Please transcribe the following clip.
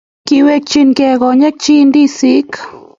Kiwekchikei konyekchi ndisik